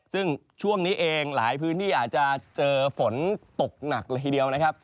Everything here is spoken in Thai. ซึ่งช่วงนี้เองหลายพื้นที่อาจจะเจอฝนตกหนักเลยทีเดียวนะครับ